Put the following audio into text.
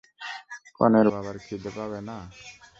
কনের বাবার খিদে পাবে না?